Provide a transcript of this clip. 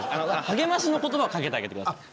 励ましの言葉をかけてあげてください。